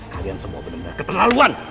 kalian semua bener bener keterlaluan